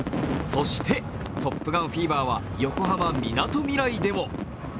そして「トップガン」フィーバーは横浜・みなとみらいでも。